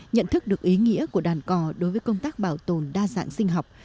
nhận thức được ý nghĩa của đàn cò đối với công tác bảo tồn đa dạng sinh học